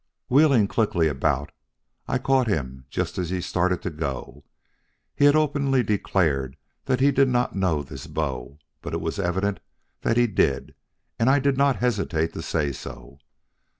"Wheeling quickly about, I caught him just as he started to go. He had openly declared that he did not know this bow; but it was evident that he did, and I did not hesitate to say so.